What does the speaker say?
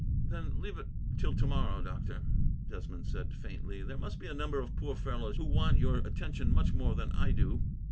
"Then leave it till tomorrow, doctor," Desmond said faintly. "There must be a number of poor fellows who want your attention much more than I do."